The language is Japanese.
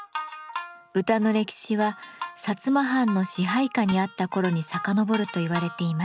歌の歴史は薩摩藩の支配下にあった頃に遡ると言われています。